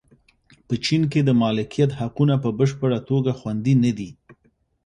په چین کې د مالکیت حقونه په بشپړه توګه خوندي نه دي.